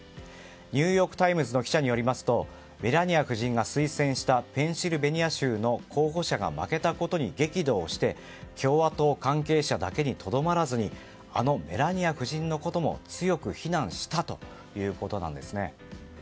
ニューヨーク・タイムズの記者によりますとメラニア夫人が推薦したペンシルベニア州の候補者が負けたことに激怒して共和党関係者だけにとどまらずにあのメラニア夫人のことも強く非難したということなんです。